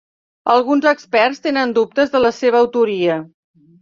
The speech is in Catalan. Alguns experts tenen dubtes de la seva autoria.